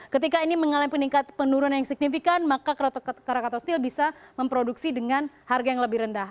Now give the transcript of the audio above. ketika ini mengalami penurunan yang signifikan maka krakatau steel bisa memproduksi dengan harga yang lebih rendah